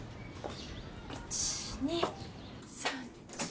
１２３４。